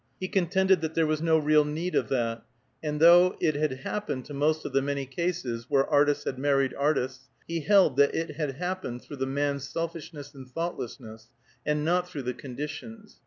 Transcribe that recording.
He contended that there was no real need of that, and though it had happened in most of the many cases where artists had married artists, he held that it had happened through the man's selfishness and thoughtlessness, and not through the conditions.